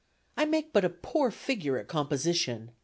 I make but a poor figure at composition.